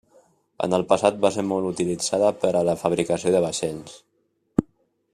En el passat va ser molt utilitzada per a la fabricació de vaixells.